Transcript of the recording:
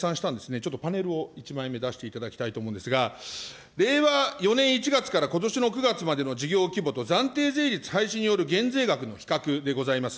ちょっとパネルを１枚目、出していただきたいと思うんですが、令和４年１月からことしの９月までの事業規模と、暫定税率廃止による減税額の比較でございます。